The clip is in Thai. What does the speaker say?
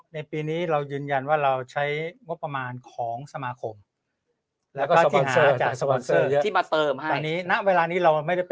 ในปีนี้เรายืนยันว่าเราใช้งบประมาณของสมาคม